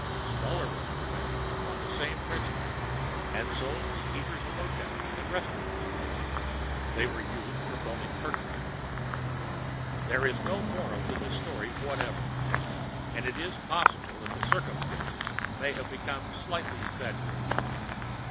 Smaller ones were made on the same principle and sold to the keepers of hotels and restaurants. They were used for boning turkeys. There is no moral to this story whatever, and it is possible that the circumstances may have become slightly exaggerated.